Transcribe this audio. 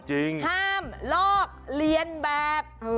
ห้ามลอกเรียนแบบ